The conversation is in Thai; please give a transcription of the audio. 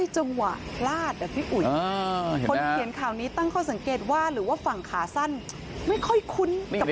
จังหวะพลาดอ่ะพี่อุ๋ยคนที่เขียนข่าวนี้ตั้งข้อสังเกตว่าหรือว่าฝั่งขาสั้นไม่ค่อยคุ้นกับ